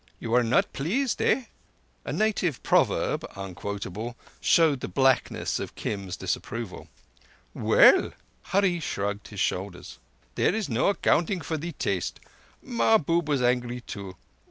You are not pleased, eh?" A native proverb—unquotable—showed the blackness of Kim's disapproval. "Well,"—Hurree shrugged his shoulders—"there is no accounting for thee taste. Mahbub was angry too.